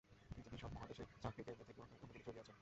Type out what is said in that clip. পৃথিবীর সব মহাদেশে চাকতির কেন্দ্র থেকে অন্যদিকে ছড়িয়ে আছে।